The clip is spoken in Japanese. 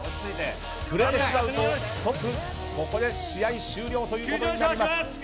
触れてしまうと即ここで試合終了となります。